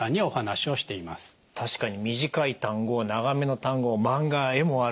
確かに短い単語長めの単語マンガは絵もある。